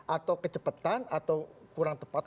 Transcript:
atau kecepatan atau kurang tepat